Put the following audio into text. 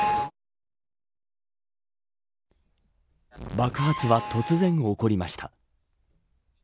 爆発は突然、起こりました。